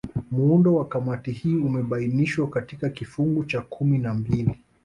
Muundo wa Kamati hii umebainishwa katika kifungu cha kumi na mbili